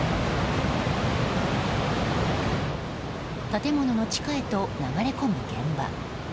建物の地下へと流れ込む現場。